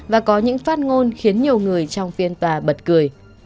và có những phát ngôn khiến nhiều người trong phiên tòa bật cười